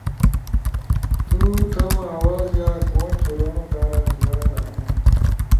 تو تمو آواز یا کون چھورونو کارا تیار ہنو؟